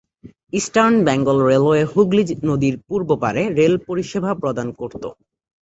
Eastern Bengal Railway Hooghly নদীর পূর্ব পাড়ে রেল পরিষেবা প্রদান করত।